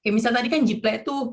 misalnya tadi kan jiplek itu